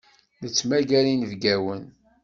Nettmagar inebgawen.